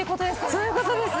そういうことです。